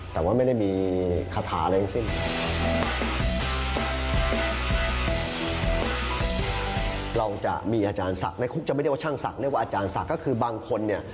แต่ว่าไม่ได้มีคาถาอะไรทั้งสิ้น